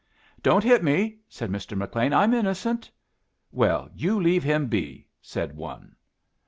"Don't hit me," said Mr. McLean "I'm innocent." "Well, you leave him be," said one.